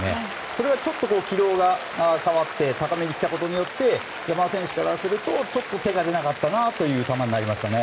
それが軌道が変わって高めに来たことによって山田選手からするとちょっと手が出なかったなという球になりましたね。